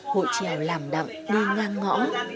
hội trèo làm đậm đi ngang ngõ